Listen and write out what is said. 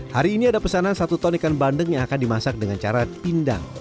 hari ini ada pesanan satu ton ikan bandeng yang akan dimasak dengan cara dindang